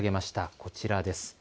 こちらです。